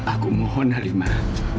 aku mohon halimah